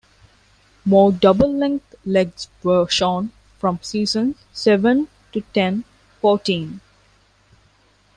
More double-length legs were shown from seasons seven to ten, fourteen.